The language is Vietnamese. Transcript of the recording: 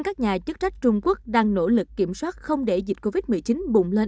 các nhà chức trách trung quốc đang nỗ lực kiểm soát không để dịch covid một mươi chín bùng lên